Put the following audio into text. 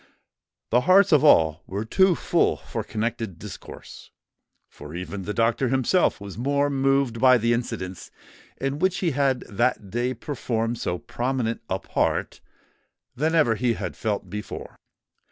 The hearts of all were too full for connected discourse; for even the doctor himself was more moved by the incidents in which he had that day performed so prominent a part, than ever he had felt before.